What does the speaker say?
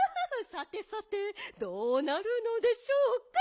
「さてさてどうなるのでしょうか」